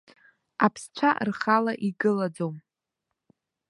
Аԥсцәа рхала игылаӡом.